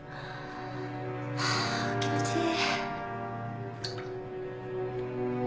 気持ちいい。